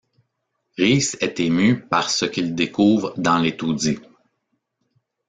Riis est ému par ce qu'il découvre dans les taudis.